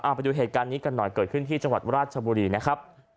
ไปดูเหตุการณ์นี้กันหน่อยเกิดขึ้นที่จังหวัดราชบุรีนะครับ